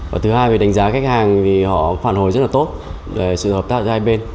và thứ hai đánh giá khách hàng vì họ phản hồi rất tốt về sự hợp tác giữa hai bên